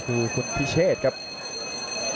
สวัสดิ์นุ่มสตึกชัยโลธสวัสดิ์